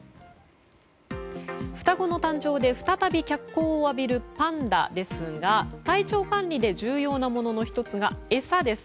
双子の誕生で再び脚光を浴びるパンダですが体調管理で重要なものの１つが餌です。